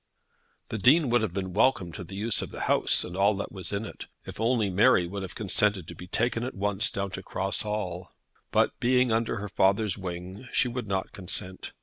The Dean would have been welcome to the use of the house and all that was in it, if only Mary would have consented to be taken at once down to Cross Hall. But being under her father's wing, she would not consent.